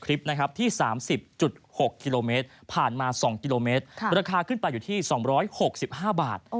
ราคาขึ้นไปอยู่ที่๒๖๕บาท